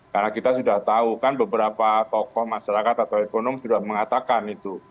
karena kita sudah tahu kan beberapa tokoh masyarakat atau ekonomi sudah mengatakan itu